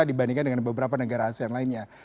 dibandingkan dengan beberapa negara asean lainnya